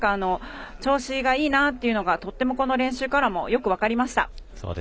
調子がいいなというのが、とてもこの練習からもよく分かりました。